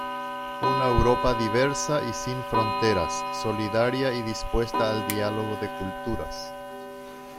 Una Europa diversa y sin fronteras, solidaria y dispuesta al diálogo de culturas.